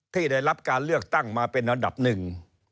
ได้รับการเลือกตั้งมาเป็นอันดับหนึ่ง